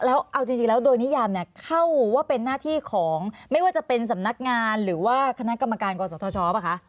เอาจริงดโดยนิยามเข้าว่าเป็นหน้าที่ของไม่ว่าเป็นสำนักงานหรือว่ากรรมการกรสธชป่ะคะ